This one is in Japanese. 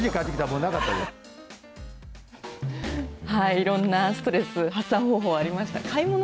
いろんなストレス発散方法ありました。